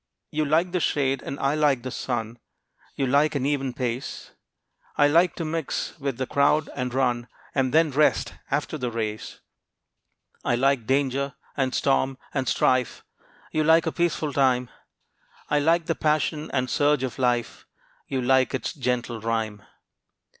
You like the shade, and I like the sun; You like an even pace, I like to mix with the crowd and run, And then rest after the race. I like danger, and storm and strife, You like a peaceful time; I like the passion and surge of life, You like its gentle rhyme.